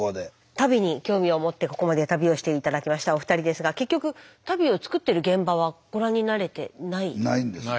足袋に興味を持ってここまで旅をして頂きましたお二人ですが結局足袋を作ってる現場はご覧になれてない？ないんですね。